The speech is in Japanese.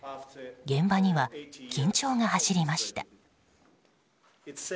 現場には緊張が走りました。